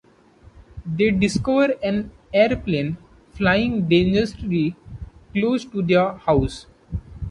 They discover an airplane flying dangerously close to their house.